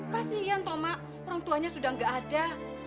kasian toma orang tuanya sudah nggak ada